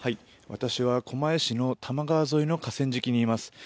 私は、狛江市の多摩川沿いの河川敷にいます。